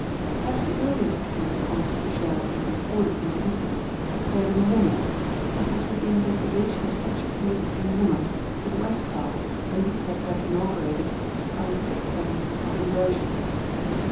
Perhaps the earliest case of homosexuality recorded in detail occurred in a woman, and it was with the investigation of such a case in a woman that Westphal may be said to have inaugurated the scientific study of inversion.